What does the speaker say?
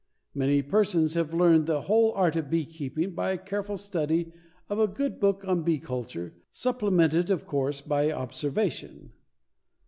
Many persons have learned the whole art of beekeeping by a careful study of a good book on bee culture supplemented of course by observation.